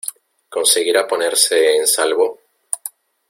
¿ conseguirá ponerse en salvo?